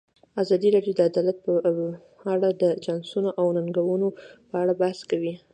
ازادي راډیو د عدالت په اړه د چانسونو او ننګونو په اړه بحث کړی.